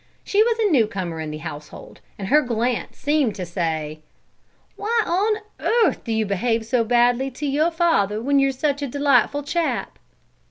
She was a newcomer in the household and her glance seemed to say: "Why on earth do you behave so badly to your father when you're such a delightful chap?"